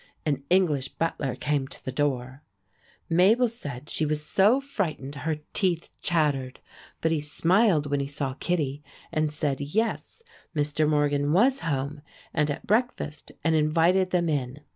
An English butler came to the door. Mabel said she was so frightened her teeth chattered, but he smiled when he saw Kittie, and said yes, Mr. Morgan was home and at breakfast, and invited them in.